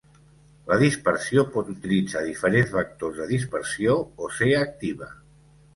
La dispersió pot utilitzar diferents vectors de dispersió o ser activa.